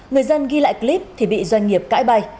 người dân ghi lại clip thì bị doanh nghiệp cãi bay